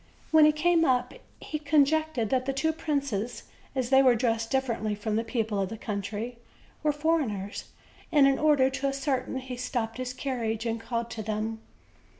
When he came up he con jectured that the two princes, as they were dressed dif ferently from the people of the country, were foreigners; and, in order to ascertain, he stopped his carriage and called to them.